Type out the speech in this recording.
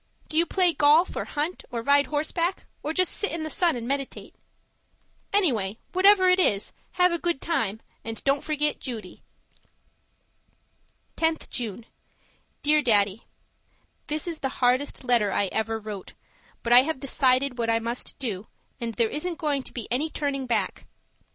Do you play golf or hunt or ride horseback or just sit in the sun and meditate? Anyway, whatever it is, have a good time and don't forget Judy. 10th June Dear Daddy, This is the hardest letter I ever wrote, but I have decided what I must do, and there isn't going to be any turning back.